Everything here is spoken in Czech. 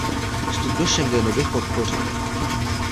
Vstup do Schengenu bych podpořil.